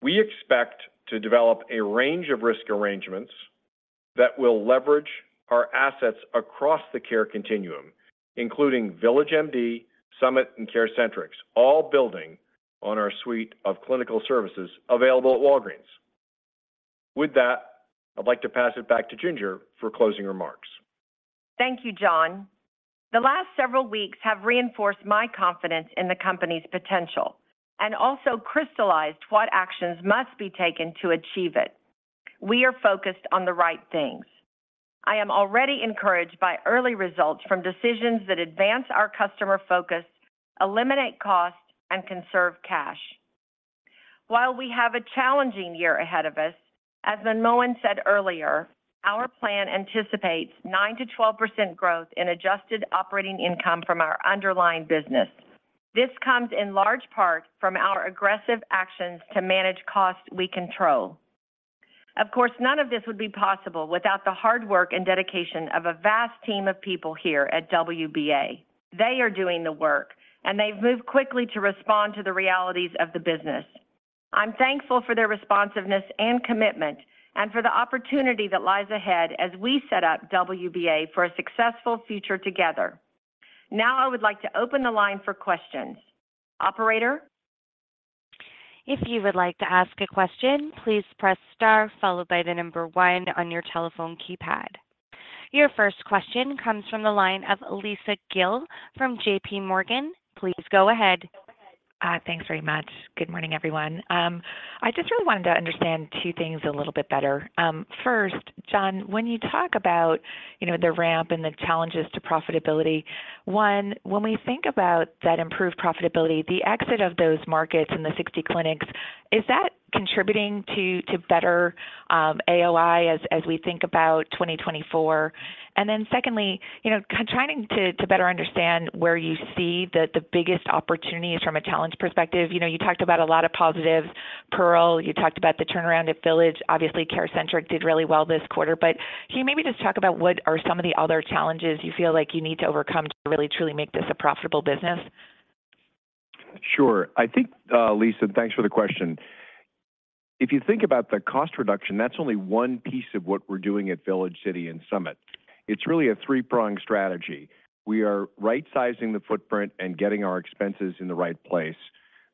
We expect to develop a range of risk arrangements that will leverage our assets across the care continuum, including VillageMD, Summit, and CareCentrix, all building on our suite of clinical services available at Walgreens. With that, I'd like to pass it back to Ginger for closing remarks. Thank you, John. The last several weeks have reinforced my confidence in the company's potential and also crystallized what actions must be taken to achieve it. We are focused on the right things. I am already encouraged by early results from decisions that advance our customer focus, eliminate cost, and conserve cash. While we have a challenging year ahead of us, as Manmohan said earlier, our plan anticipates 9%-12% growth in adjusted operating income from our underlying business. This comes in large part from our aggressive actions to manage costs we control. Of course, none of this would be possible without the hard work and dedication of a vast team of people here at WBA. They are doing the work, and they've moved quickly to respond to the realities of the business. I'm thankful for their responsiveness and commitment and for the opportunity that lies ahead as we set up WBA for a successful future together. Now I would like to open the line for questions. Operator? If you would like to ask a question, please press star followed by the number one on your telephone keypad. Your first question comes from the line of Lisa Gill from JPMorgan. Please go ahead. Thanks very much. Good morning, everyone. I just really wanted to understand two things a little bit better. First, John, when you talk about, you know, the ramp and the challenges to profitability, one, when we think about that improved profitability, the exit of those markets and the 60 clinics, is that contributing to, to better, AOI as, as we think about 2024? And then secondly, you know, trying to, to better understand where you see the, the biggest opportunities from a challenge perspective. You know, you talked about a lot of positives. Pearl, you talked about the turnaround at Village. Obviously, CareCentrix did really well this quarter, but can you maybe just talk about what are some of the other challenges you feel like you need to overcome to really truly make this a profitable business? Sure. I think, Lisa, thanks for the question. If you think about the cost reduction, that's only one piece of what we're doing at Village, City, and Summit. It's really a three-prong strategy. We are right-sizing the footprint and getting our expenses in the right place.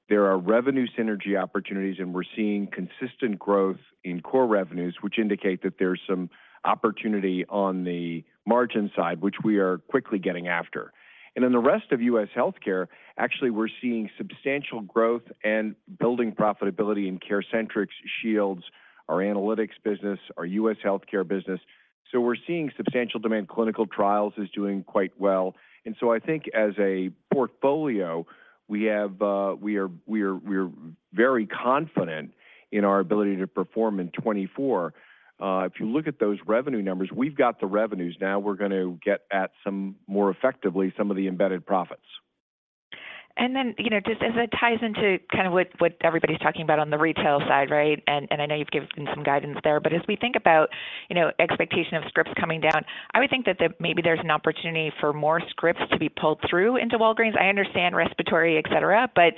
There are revenue synergy opportunities, and we're seeing consistent growth in core revenues, which indicate that there's some opportunity on the margin side, which we are quickly getting after. And in U.S. Healthcare, actually, we're seeing substantial growth and building profitability in CareCentrix, Shields, our U.S. Healthcare business. so we're seeing substantial demand. Clinical Trials is doing quite well. And so I think as a portfolio, we have, we are, we are, we're very confident in our ability to perform in 2024. If you look at those revenue numbers, we've got the revenues. Now, we're going to get at some more effectively, some of the embedded profits. And then, you know, just as it ties into kind of what everybody's talking about on the retail side, right? And I know you've given some guidance there, but as we think about, you know, expectation of scripts coming down, I would think that there maybe there's an opportunity for more scripts to be pulled through into Walgreens. I understand respiratory, et cetera, but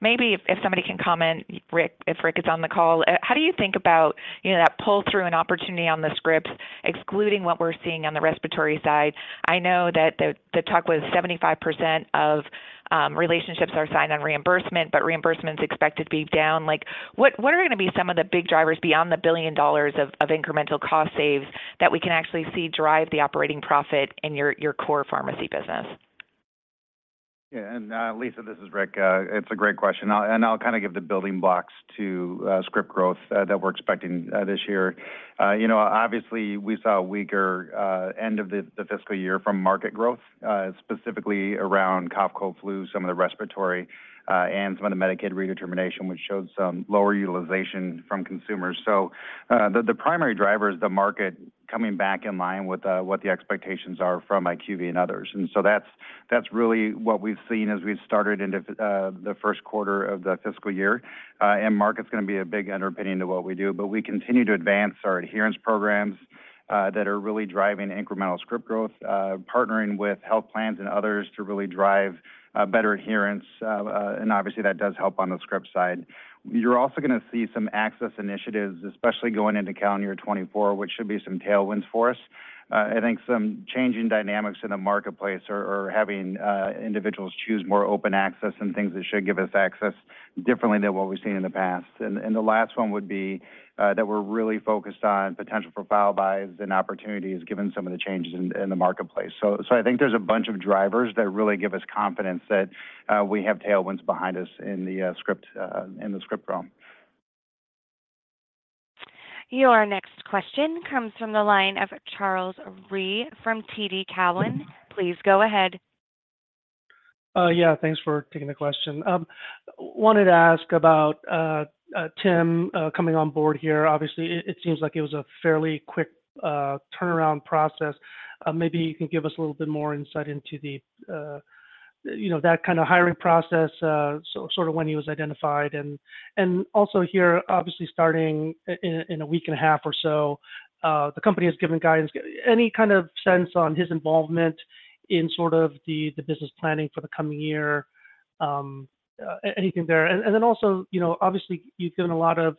maybe if somebody can comment, Rick, if Rick is on the call, how do you think about, you know, that pull-through and opportunity on the scripts, excluding what we're seeing on the respiratory side? I know that the talk was 75% of relationships are signed on reimbursement, but reimbursement is expected to be down. Like, what are going to be some of the big drivers beyond the $1 billion of incremental cost saves that we can actually see drive the operating profit in your core pharmacy business? Yeah, and Lisa, this is Rick. It's a great question. And I'll kind of give the building blocks to script growth that we're expecting this year. You know, obviously, we saw a weaker end of the fiscal year from market growth, specifically around COVID, cold, flu, some of the respiratory, and some of the Medicaid redeterminations, which showed some lower utilization from consumers. So, the primary driver is the market coming back in line with what the expectations are from IQVIA and others. And so that's really what we've seen as we've started into the first quarter of the fiscal year. And market's gonna be a big underpinning to what we do, but we continue to advance our adherence programs that are really driving incremental script growth, partnering with health plans and others to really drive better adherence. And obviously, that does help on the script side. You're also gonna see some access initiatives, especially going into calendar year 2024, which should be some tailwinds for us. I think some changing dynamics in the marketplace are having individuals choose more open access and things that should give us access differently than what we've seen in the past. And the last one would be that we're really focused on potential profile buys and opportunities, given some of the changes in the marketplace. So I think there's a bunch of drivers that really give us confidence that we have tailwinds behind us in the script realm. Your next question comes from the line of Charles Rhyee from TD Cowen. Please go ahead. Yeah, thanks for taking the question. Wanted to ask about Tim coming on board here. Obviously, it seems like it was a fairly quick turnaround process. Maybe you can give us a little bit more insight into the, you know, that kind of hiring process, sort of when he was identified. And also here, obviously starting in a week and a half or so, the company has given guidance. Any kind of sense on his involvement in sort of the business planning for the coming year? Anything there? And then also, you know, obviously, you've given a lot of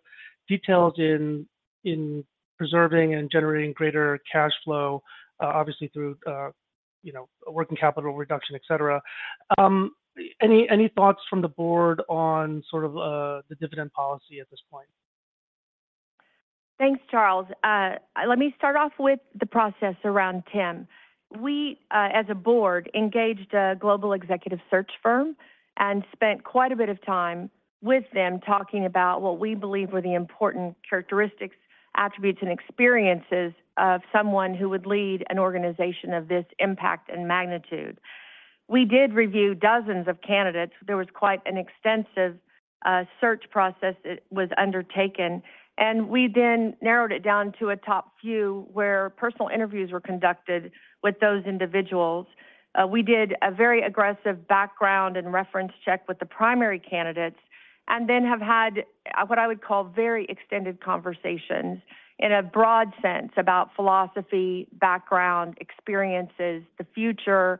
details in preserving and generating greater cash flow, obviously through, you know, working capital reduction, et cetera. Any thoughts from the board on sort of the dividend policy at this point? Thanks, Charles. Let me start off with the process around Tim. We, as a board, engaged a global executive search firm and spent quite a bit of time with them, talking about what we believe were the important characteristics, attributes, and experiences of someone who would lead an organization of this impact and magnitude. We did review dozens of candidates. There was quite an extensive search process that was undertaken, and we then narrowed it down to a top few, where personal interviews were conducted with those individuals. We did a very aggressive background and reference check with the primary candidates, and then have had what I would call very extended conversations in a broad sense about philosophy, background, experiences, the future,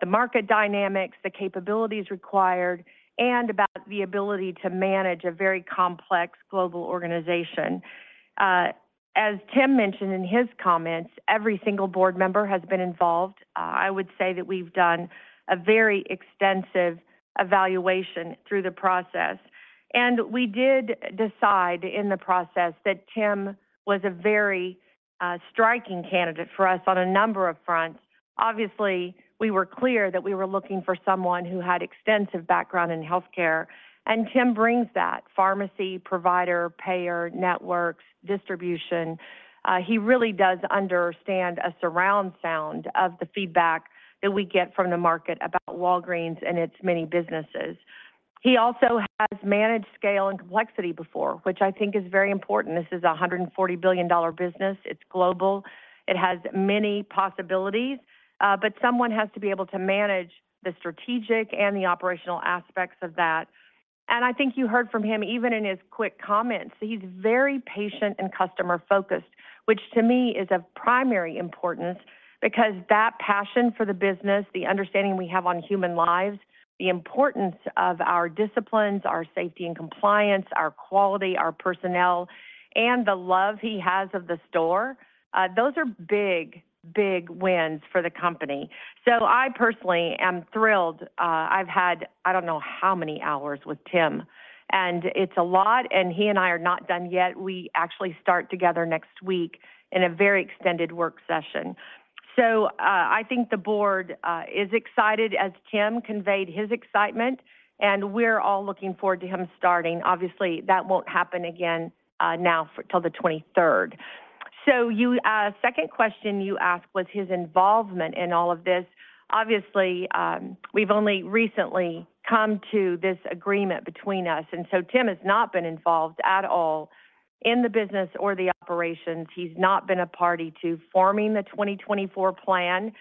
the market dynamics, the capabilities required, and about the ability to manage a very complex global organization. As Tim mentioned in his comments, every single board member has been involved. I would say that we've done a very extensive evaluation through the process. We did decide in the process that Tim was a very striking candidate for us on a number of fronts. Obviously, we were clear that we were looking for someone who had extensive background in healthcare, and Tim brings that, pharmacy, provider, payer, networks, distribution. He really does understand a surround sound of the feedback that we get from the market about Walgreens and its many businesses. He also has managed scale and complexity before, which I think is very important. This is a $140 billion business. It's global. It has many possibilities, but someone has to be able to manage the strategic and the operational aspects of that. And I think you heard from him even in his quick comments, he's very patient and customer-focused which to me is of primary importance because that passion for the business, the understanding we have on human lives, the importance of our disciplines, our safety and compliance, our quality, our personnel, and the love he has of the store, those are big, big wins for the company. So I personally am thrilled. I've had, I don't know, how many hours with Tim, and it's a lot, and he and I are not done yet. We actually start together next week in a very extended work session. So, I think the board is excited, as Tim conveyed his excitement, and we're all looking forward to him starting. Obviously, that won't happen again, now for till the 23rd. So you, second question you asked was his involvement in all of this. Obviously, we've only recently come to this agreement between us, and so Tim has not been involved at all in the business or the operations. He's not been a party to forming the 2024 plan,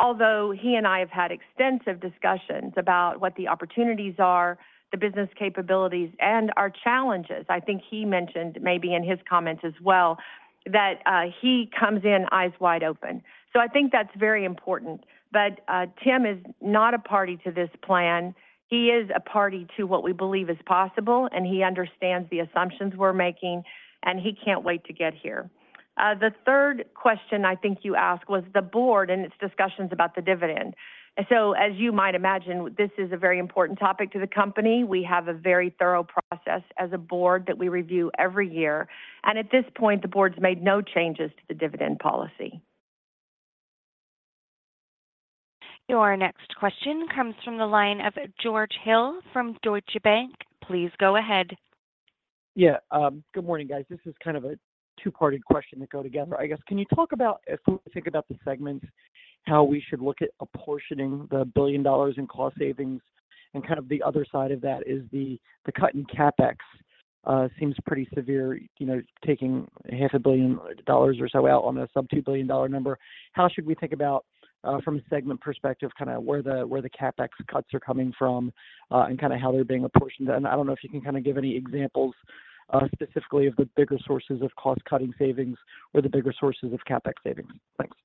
although he and I have had extensive discussions about what the opportunities are, the business capabilities, and our challenges. I think he mentioned maybe in his comments as well, that he comes in eyes wide open. So I think that's very important. But, Tim is not a party to this plan. He is a party to what we believe is possible, and he understands the assumptions we're making, and he can't wait to get here. The third question I think you asked was the board and its discussions about the dividend. As you might imagine, this is a very important topic to the company. We have a very thorough process as a board that we review every year, and at this point, the board's made no changes to the dividend policy. Your next question comes from the line of George Hill from Deutsche Bank. Please go ahead. Yeah, good morning, guys. This is kind of a two-parted question that go together, I guess. Can you talk about, if we think about the segments, how we should look at apportioning the $1 billion in cost savings? And kind of the other side of that is the cut in CapEx seems pretty severe, you know, taking $500 million or so out on a sub-$2 billion number. How should we think about from a segment perspective, kind of where the CapEx cuts are coming from and kind of how they're being apportioned? And I don't know if you can kind of give any examples specifically of the bigger sources of cost-cutting savings or the bigger sources of CapEx savings. Thanks.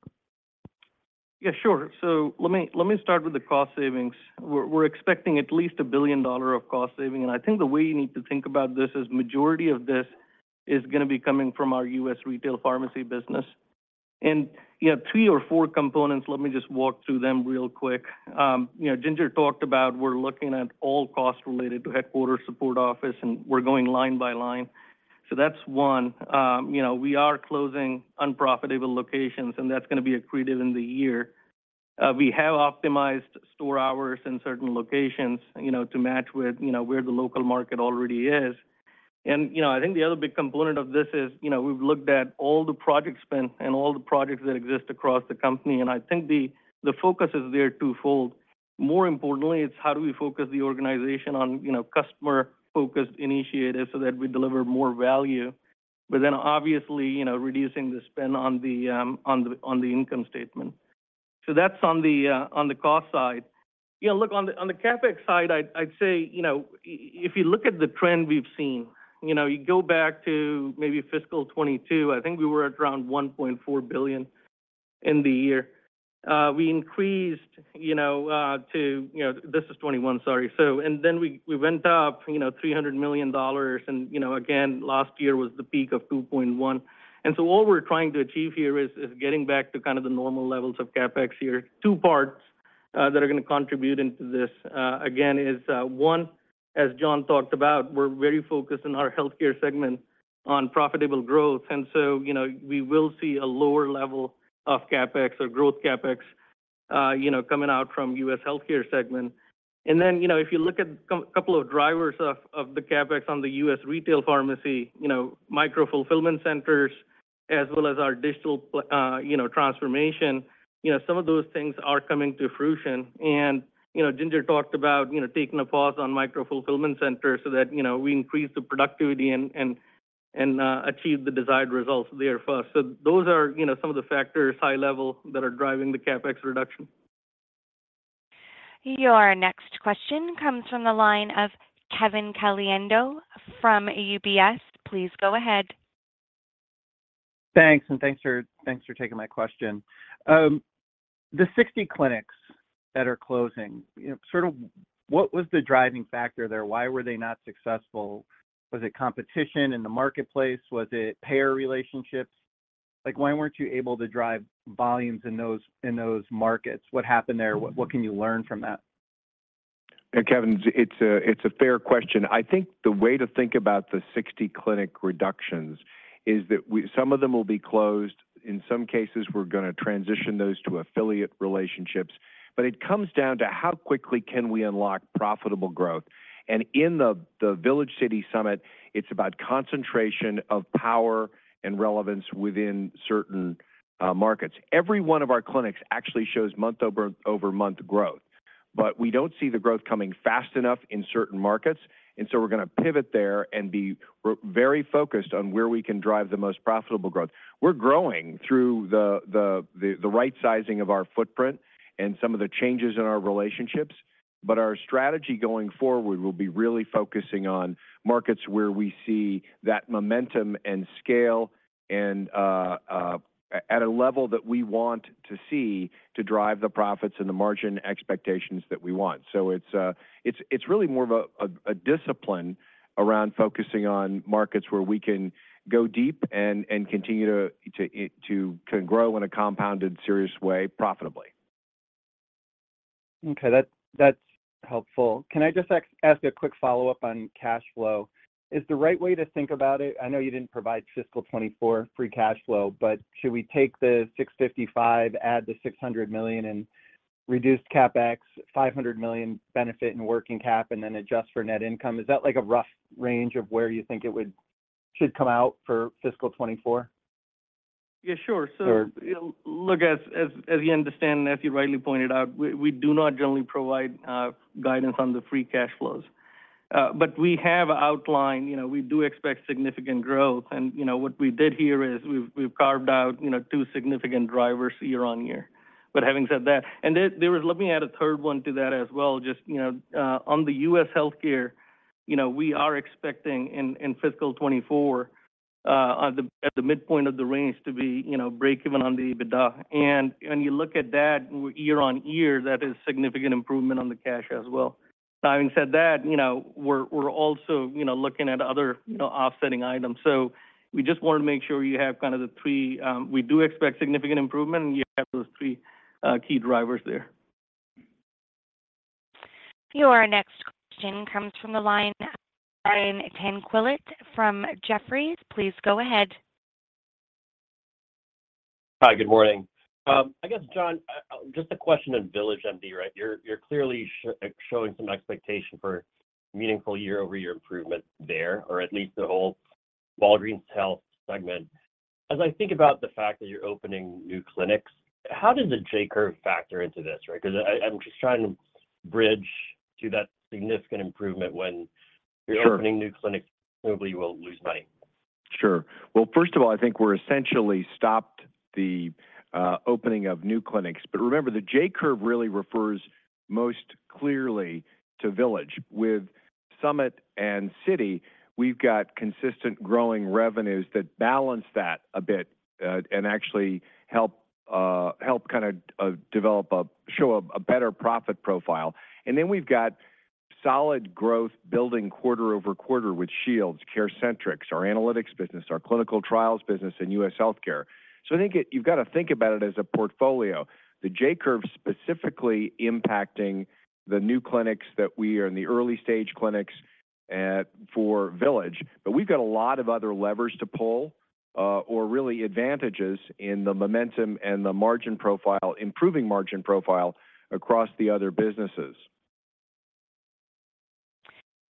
Yeah, sure. So let me, let me start with the cost savings. We're, we're expecting at least $1 billion of cost saving, and I think the way you need to think about this is majority of this is gonna be coming U.S. Retail Pharmacy business. and you have three or four components. Let me just walk through them real quick. You know, Ginger talked about we're looking at all costs related to headquarter support office, and we're going line by line. So that's one. You know, we are closing unprofitable locations, and that's gonna be accretive in the year. We have optimized store hours in certain locations, you know, to match with, you know, where the local market already is. You know, I think the other big component of this is, you know, we've looked at all the project spend and all the projects that exist across the company, and I think the focus is there twofold. More importantly, it's how do we focus the organization on, you know, customer-focused initiatives so that we deliver more value, but then obviously, you know, reducing the spend on the, on the income statement. So that's on the cost side. You know, look, on the CapEx side, I'd say, you know, if you look at the trend we've seen, you know, you go back to maybe fiscal 2022, I think we were at around $1.4 billion in the year. We increased, you know, to, you know. This is 2021, sorry. We went up, you know, $300 million, and, you know, again, last year was the peak of $2.1 billion. What we're trying to achieve here is getting back to kind of the normal levels of CapEx here. Two parts that are gonna contribute into this, again, is, one, as John talked about, we're very focused in our healthcare segment on profitable growth, and so, you know, we will see a lower level of CapEx or growth CapEx, you know, U.S. Healthcare segment. and then, you know, if you look at a couple of drivers of the CapEx U.S. Retail Pharmacy, you know, micro-fulfillment centers, as well as our digital pl- you know, transformation, you know, some of those things are coming to fruition. You know, Ginger talked about, you know, taking a pause on micro-fulfillment centers so that, you know, we increase the productivity and achieve the desired results there first. So those are, you know, some of the factors, high level, that are driving the CapEx reduction. Your next question comes from the line of Kevin Caliendo from UBS. Please go ahead. Thanks, and thanks for, thanks for taking my question. The 60 clinics that are closing, you know, sort of what was the driving factor there? Why were they not successful? Was it competition in the marketplace? Was it payer relationships? Like, why weren't you able to drive volumes in those, in those markets? What happened there? What, what can you learn from that? Yeah, Kevin, it's a fair question. I think the way to think about the 60 clinic reductions is that we—some of them will be closed. In some cases, we're gonna transition those to affiliate relationships. But it comes down to how quickly can we unlock profitable growth? And in the VillageMD, CityMD, Summit, it's about concentration of power and relevance within certain markets. Every one of our clinics actually shows month-over-month growth, but we don't see the growth coming fast enough in certain markets, and so we're gonna pivot there and be very focused on where we can drive the most profitable growth. We're growing through the right sizing of our footprint and some of the changes in our relationships. But our strategy going forward will be really focusing on markets where we see that momentum and scale, and at a level that we want to see to drive the profits and the margin expectations that we want. So it's really more of a discipline around focusing on markets where we can go deep and continue to grow in a compounded, serious way profitably. Okay, that's helpful. Can I just ask a quick follow-up on cash flow? Is the right way to think about it, I know you didn't provide fiscal 2024 free cash flow, but should we take the $655 million, add the $600 million, and reduce CapEx $500 million benefit in working cap, and then adjust for net income? Is that, like, a rough range of where you think it should come out for fiscal 2024? Yeah, sure. Sure. So, look, as you understand, and as you rightly pointed out, we do not generally provide guidance on the free cash flows. But we have outlined, you know, we do expect significant growth. And, you know, what we did here is, we've carved out, you know, two significant drivers year-over-year. But having said that. And there was. Let me add a third one to that as well. Just, you know, U.S. Healthcare, you know, we are expecting in fiscal 2024, at the midpoint of the range to be, you know, break even on the EBITDA. And when you look at that year-over-year, that is significant improvement on the cash as well. Now, having said that, you know, we're also, you know, looking at other, you know, offsetting items. So we just wanted to make sure you have kind of the three. We do expect significant improvement, and you have those three key drivers there. Your next question comes from the line of Brian Tanquilut from Jefferies. Please go ahead. Hi, good morning. I guess, John, just a question on VillageMD, right? You're clearly showing some expectation for meaningful year-over-year improvement there, or at least the whole Walgreens health segment. As I think about the fact that you're opening new clinics, how does the J-curve factor into this, right? Because I'm just trying to bridge to that significant improvement when- Sure. you're opening new clinics, probably you will lose money. Sure. Well, first of all, I think we're essentially stopped the opening of new clinics. But remember, the J-curve really refers most clearly to Village. With Summit and City, we've got consistent growing revenues that balance that a bit, and actually help kinda develop, show a better profit profile. And then we've got solid growth building quarter-over-quarter with Shields, CareCentrix, our analytics business, our clinical trials U.S. Healthcare. so i think it, you've got to think about it as a portfolio. The J-curve specifically impacting the new clinics that we are in the early stage clinics at, for Village. But we've got a lot of other levers to pull, or really advantages in the momentum and the margin profile, improving margin profile across the other businesses.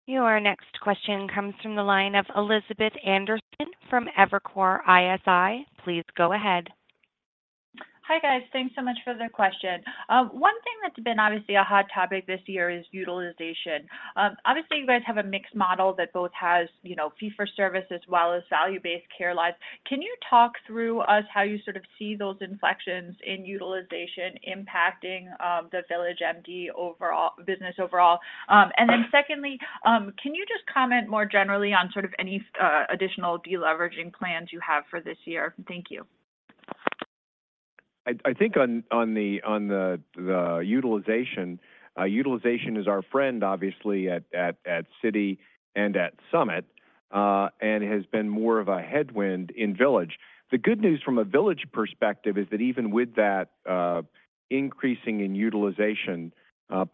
Your next question comes from the line of Elizabeth Anderson from Evercore ISI. Please go ahead. Hi, guys. Thanks so much for the question. One thing that's been obviously a hot topic this year is utilization. Obviously, you guys have a mixed model that both has, you know, fee-for-service as well as value-based care lives. Can you talk through us how you sort of see those inflections in utilization impacting the VillageMD overall, business overall? And then secondly, can you just comment more generally on sort of any additional deleveraging plans you have for this year? Thank you. I think on the utilization, utilization is our friend, obviously, at City and at Summit, and has been more of a headwind in Village. The good news from a Village perspective is that even with that, increasing in utilization,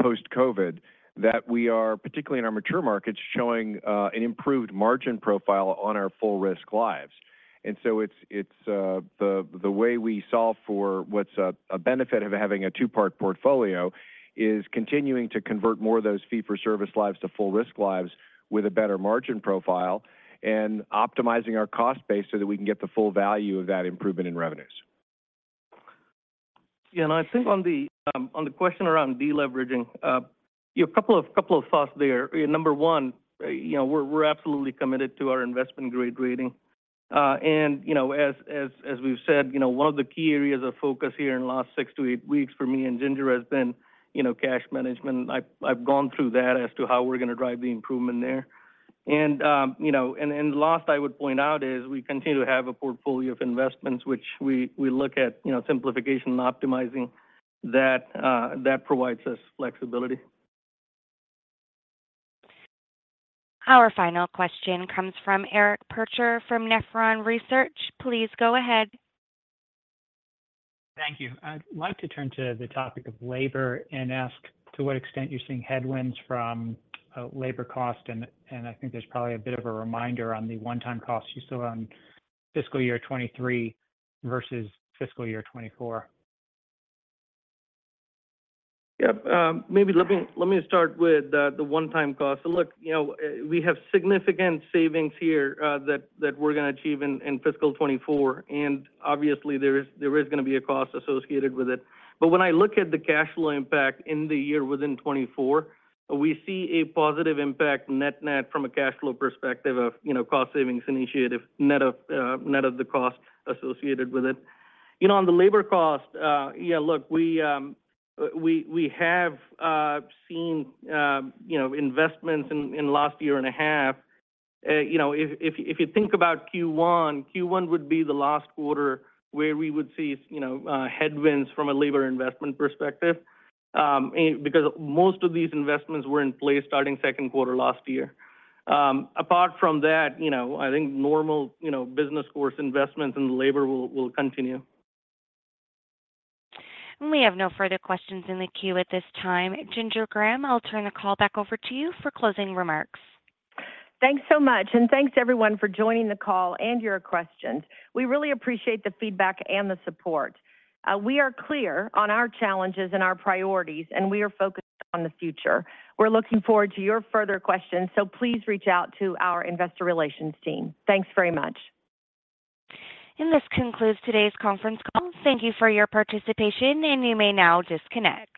post-COVID, that we are, particularly in our mature markets, showing, an improved margin profile on our full risk lives. And so it's the way we solve for what's a benefit of having a two-part portfolio is continuing to convert more of those fee-for-service lives to full risk lives with a better margin profile, and optimizing our cost base so that we can get the full value of that improvement in revenues. Yeah, and I think on the question around deleveraging, a couple of thoughts there. Number one, you know, we're absolutely committed to our investment-grade rating. And, you know, as we've said, you know, one of the key areas of focus here in the last six to eight weeks for me and Ginger has been, you know, cash management. I've gone through that as to how we're gonna drive the improvement there. And, you know, and last I would point out is, we continue to have a portfolio of investments, which we look at, you know, simplification and optimizing that, that provides us flexibility. Our final question comes from Eric Percher from Nephron Research. Please go ahead. Thank you. I'd like to turn to the topic of labor and ask, to what extent you're seeing headwinds from labor cost? And I think there's probably a bit of a reminder on the one-time costs you saw on fiscal year 2023 versus fiscal year 2024. Yep. Maybe let me start with the one-time cost. Look, you know, we have significant savings here that we're gonna achieve in fiscal 2024, and obviously, there is gonna be a cost associated with it. But when I look at the cash flow impact in the year within 2024, we see a positive impact net-net from a cash flow perspective of, you know, cost savings initiative, net of net of the cost associated with it. You know, on the labor cost, yeah, look, we have seen you know investments in the last year and a half. You know, if you think about Q1, it would be the last quarter where we would see, you know, headwinds from a labor investment perspective, and because most of these investments were in place starting second quarter last year. Apart from that, you know, I think normal, you know, business course investments in labor will continue. We have no further questions in the queue at this time. Ginger Graham, I'll turn the call back over to you for closing remarks. Thanks so much, and thanks everyone for joining the call and your questions. We really appreciate the feedback and the support. We are clear on our challenges and our priorities, and we are focused on the future. We're looking forward to your further questions, so please reach out to our investor relations team. Thanks very much. This concludes today's conference call. Thank you for your participation, and you may now disconnect.